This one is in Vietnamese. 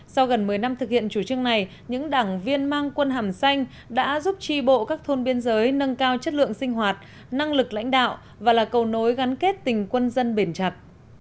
sau gần một mươi năm thực hiện chủ trương này những đảng viên mang quân hàm xanh đã giúp tri bộ các thôn biên giới nâng cao chất lượng sinh hoạt năng lực lãnh đạo và là cầu nối gắn kết tình quân dân bền chặt